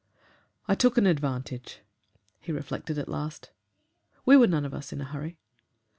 "I took an advantage," he reflected at last. We were none of us in a hurry.